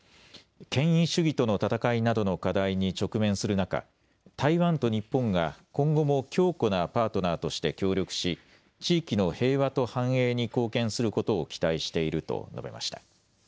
権威主義との戦いなどの課題に直面する中、台湾と日本が今後も強固なパートナーとして協力し地域の平和と繁栄に貢献することを期待していると述べました。